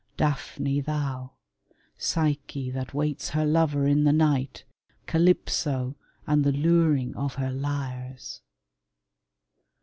Daphne thou; Psyche that waits her lover in the night; Calypso and the luring of her lyres.